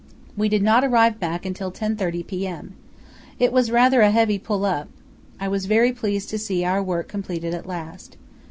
We did not arrive back until 10.30 p.m. It was rather a heavy pull up. I was very pleased to see our work completed at last....